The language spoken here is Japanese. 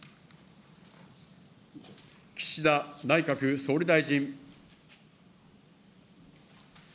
岸田内閣総理大臣。